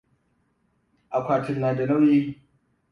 Akwatin na da nauyi.